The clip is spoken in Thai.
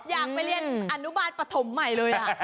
อยากไปเรียนอนุบาลปฐมใหม่เลย